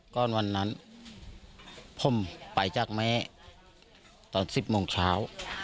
วันนั้นผมไปจากแม่ตอน๑๐โมงเช้า